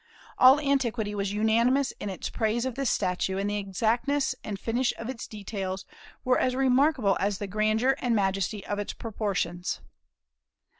All antiquity was unanimous in its praise of this statue, and the exactness and finish of its details were as remarkable as the grandeur and majesty of its proportions.